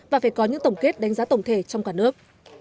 và phải có những tổng kết đánh giá tổng thể trong cả nước